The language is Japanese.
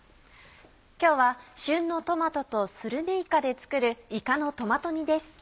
今日は旬のトマトとするめいかで作る「いかのトマト煮」です。